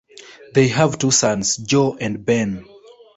They have two sons, Joe and Ben.